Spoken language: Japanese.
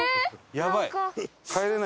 やばい！